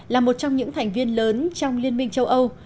là một trong những thành viên lớn trong liên minh châu âu